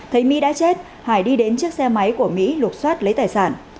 thấy mỹ đã chết hải đi đến chiếc xe máy của mỹ lục xoát lấy tài sản